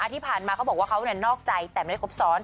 ที่ผ่านมาเขาบอกว่าเขานอกใจแต่ไม่ได้ครบซ้อน